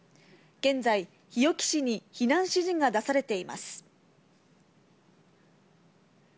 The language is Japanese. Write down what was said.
現在、日置市に避難指示が出されています。